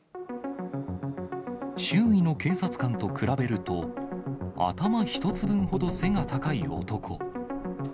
周囲の警察官と比べると、頭１つ分ほど背が高い男。